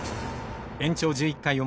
延長１１回表。